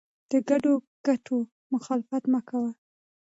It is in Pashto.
د ګډو ګټو مخالفت مه کوه.